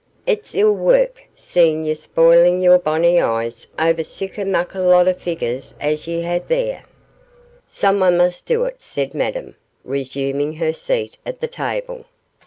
'It's ill wark seein' ye spoilin' your bonny eyes owre sic a muckle lot o' figures as ye hae there.' 'Someone must do it,' said Madame, resuming her seat at the table.